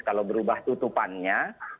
kalau berubah tutupannya